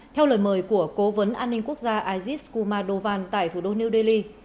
theo lời mời của cố vấn an ninh quốc gia isis kumar dovan tại thủ đô new delhi